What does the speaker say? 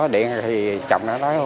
điện thì chồng nó nói